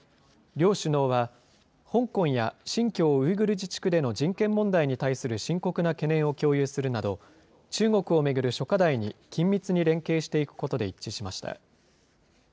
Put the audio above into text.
両首脳は、香港や新疆ウイグル自治区での人権問題に対する深刻な懸念を共有するなど、中国を巡る諸課題に緊密に連携していくことで一致しました。